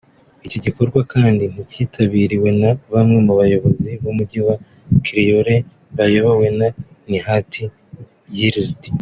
Iki gikorwa kandi cyitabiriwe na bamwe mu bayobozi b’umujyi wa Kacioren bayobowe na Nihat Yildiz